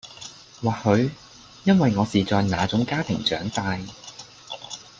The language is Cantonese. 或許因為我是在那種家庭長大